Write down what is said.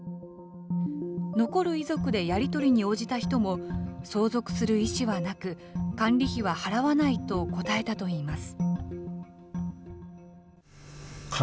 残る遺族でやり取りに応じた人も、相続する意思はなく、管理費は払わないと答えたといいます。